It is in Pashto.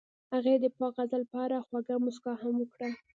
هغې د پاک غزل په اړه خوږه موسکا هم وکړه.